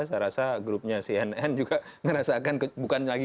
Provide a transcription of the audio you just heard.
saya rasa grupnya cnn juga ngerasakan bukan lagi kecubit ke tabok tabok ya